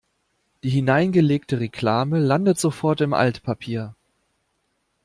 Die hineingelegte Reklame landet sofort im Altpapier.